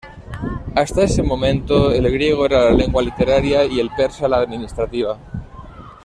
Hasta este momento el griego era la lengua literaria y el persa la administrativa.